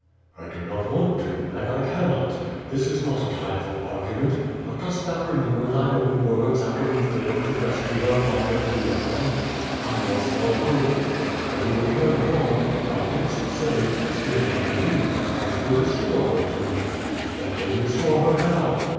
"I do not want to, and I cannot. This is not a time for argument, but dost thou remember thine own words after we failed to rescue her from the Tullianum? I lost all hope, but after w^e returned home, thou didst say, 'Still I believe that Christ will restore her to me.^ Let Him restore her now.